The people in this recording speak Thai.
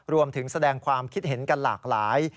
รวมถึงแสดงความคิดเห็นกันหลากหลาย